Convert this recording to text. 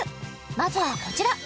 まずはこちら！